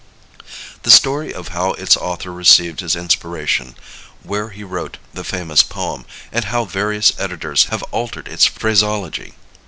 The Story of How Its Author Received His Inspiration, Where He Wrote the Famous Poem, and How Various Editors Have Altered Its Phraseology.